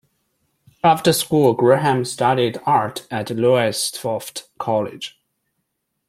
After school Graham studied art at Lowestoft college.